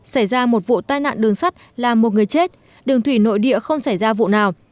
xảy ra một vụ tai nạn đường sắt làm một người chết đường thủy nội địa không xảy ra vụ nào